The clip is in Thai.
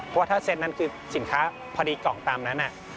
เพราะว่าถ้าเซตนั้นคือสินค้าพอดีกล่องตามนั้น